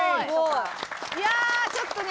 いやあちょっとね